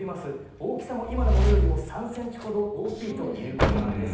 大きさも今のものよりも３センチほど大きいということなんです。